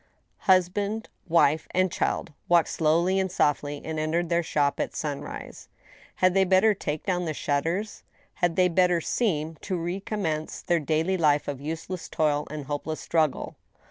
Husband, wife, and child walked slowly and softly, and entered their shop at sunrise. Had they better take down the shutters ? Had they better seent to recommence their daily life of useless toil and hopeless struggle